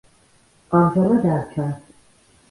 ამჟამად არ ჩანს.